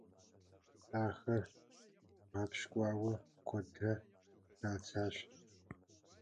Ахэр гъэпщкӏуауэ куэдрэ традзащ.